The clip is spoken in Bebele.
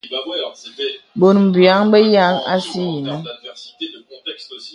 Bòt bùyaŋ bənə así yìnə.